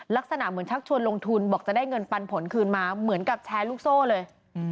ลักษณะเหมือนชักชวนลงทุนบอกจะได้เงินปันผลคืนมาเหมือนกับแชร์ลูกโซ่เลย